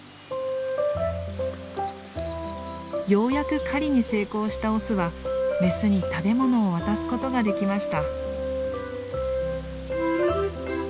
ようやく狩りに成功したオスはメスに食べ物を渡すことができました。